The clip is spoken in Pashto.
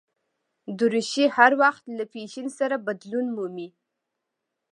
دریشي هر وخت له فېشن سره بدلون مومي.